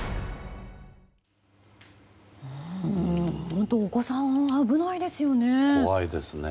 本当、お子さん危ないですよね。